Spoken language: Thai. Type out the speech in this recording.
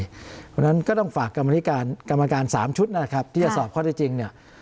เพราะฉะนั้นก็ต้องฝากกรรมการ๓ชุดนะครับที่จะสอบข้อได้จริงเนี่ย